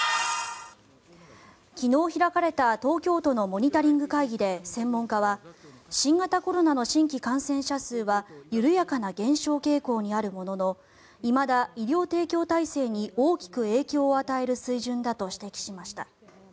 昨日開かれた東京都のモニタリング会議で専門家は新型コロナの新規感染者数は緩やかな減少傾向にあるもののいまだ医療提供体制に大きく影響を与える水準だと指摘しました。